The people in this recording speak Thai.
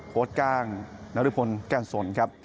โพสต์กลางณฤพลแก้นสนครับ